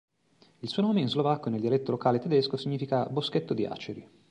Il suo nome in slovacco e nel dialetto locale tedesco significa "boschetto di aceri".